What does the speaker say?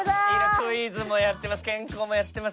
クイズもやってます。